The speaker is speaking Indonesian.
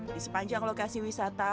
di sepanjang lokasi wisata